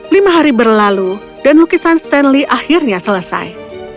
lima hari berlalu dan lukisan stanley akhirnya selesai